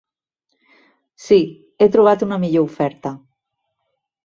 Sí, he trobat una millor oferta.